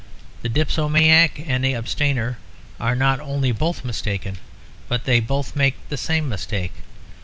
The dipsomaniac and the abstainer are not only both mistaken, but they both make the same mistake.